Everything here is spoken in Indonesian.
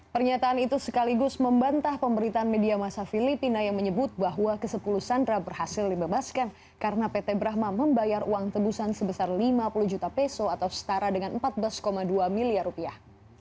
pernyataan itu sekaligus membantah pemberitaan media masa filipina yang menyebut bahwa ke sepuluh sandera berhasil dibebaskan karena pt brahma membayar uang tebusan sebesar lima puluh juta peso atau setara dengan empat belas dua miliar rupiah